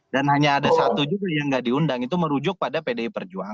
dan hanya ada satu juga yang nggak diundang itu merujuk pada pdi perjuangan